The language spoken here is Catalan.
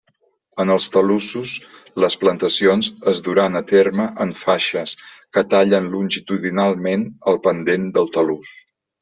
En els talussos les plantacions es duran a terme en faixes que tallen longitudinalment el pendent del talús.